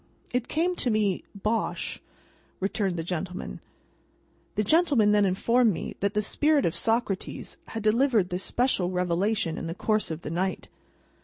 "It came to me, Bosh," returned the gentleman. The gentleman then informed me that the spirit of Socrates had delivered this special revelation in the course of the night.